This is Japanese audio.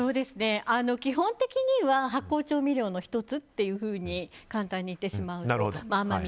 基本的には発酵調味料の１つと簡単に言ってしまう。